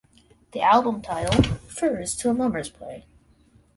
The album title refers to a Mummers play.